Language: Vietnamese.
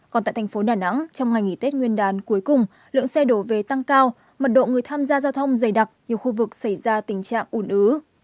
còn tại thành phố đà nẵng trong ngày nghỉ tết nguyên đán cuối cùng lượng xe đổ về tăng cao mật độ người tham gia giao thông dày đặc nhiều khu vực xảy ra tình trạng ủn ứ